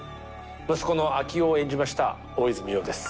息子の昭夫を演じました大泉洋です。